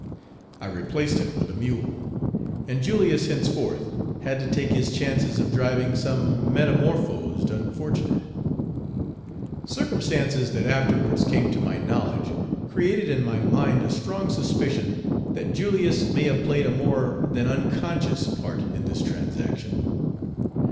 I replaced him with a mule, and Julius henceforth had to take his chances of driving some metamorphosed unfortunate. Page 131 Circumstances that afterwards came to my knowIedge created in my mind a strong suspicion that Julius may have played a more than unconscious part in this transaction.